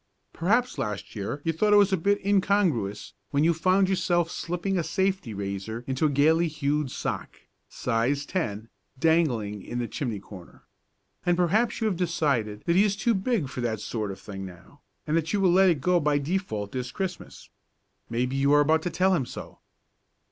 Perhaps last year you thought it was a bit incongruous when you found yourself slipping a safety razor into a gaily hued sock, size ten, dangling in the chimney corner. And perhaps you have decided that he is too big for that sort of thing now, and that you will let it go by default this Christmas. Maybe you are about to tell him so.